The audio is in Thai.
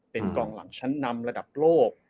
เป็นกองหลังชั้นนำระดับโลก